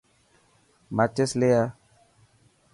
ماچس لي آءَ.